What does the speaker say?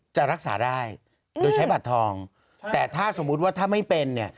จะรักษาได้โดยใช้บัตรทองแต่ถ้าสมมุติว่าถ้าไม่เป็นเนี่ย